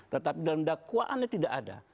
tetapi dalam dakwaannya tidak ada